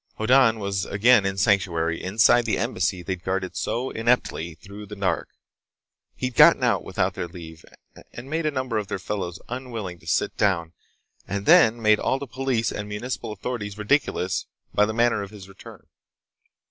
Hoddan was again in sanctuary inside the Embassy they'd guarded so ineptly through the dark. He'd gotten out without their leave, and made a number of their fellows unwilling to sit down and then made all the police and municipal authorities ridiculous by the manner of his return.